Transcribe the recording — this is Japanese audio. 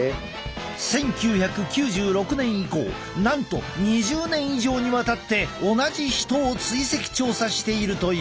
１９９６年以降なんと２０年以上にわたって同じ人を追跡調査しているという。